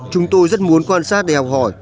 chúng tôi rất muốn quan sát để học hỏi